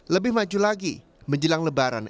lebih maju lagi menjelang lebaran